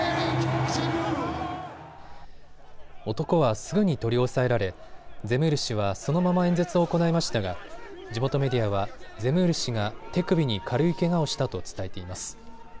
男はすぐに取り押さえられ、ゼムール氏はそのまま演説を行いましたが地元メディアはゼムール氏が手首に軽いけがをしたと伝えています。